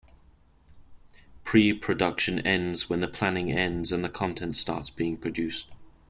Pre-production ends when the planning ends and the content starts being produced.